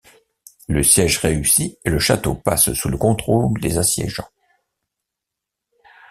Le siège réussit et le château passe sous le contrôle des assiégeants.